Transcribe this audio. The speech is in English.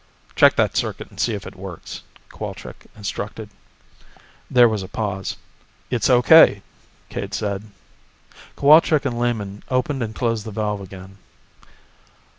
"Check that circuit and see if it works," Cowalczk instructed. There was a pause. "It's O.K.," Cade said. Cowalczk and Lehman opened and closed the valve again.